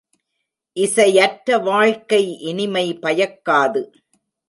இசையற்ற வாழ்க்கை இனிமை பயக்காது.